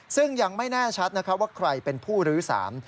ซึ่งยังไม่แน่ชัดว่าใครเป็นผู้รื้อสาร